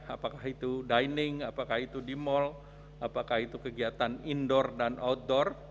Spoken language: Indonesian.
apakah itu dining apakah itu di mall apakah itu kegiatan indoor dan outdoor